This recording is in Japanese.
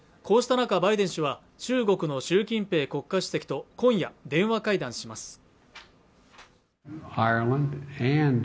こうした中バイデン氏は中国の習近平国家主席と今夜電話会談します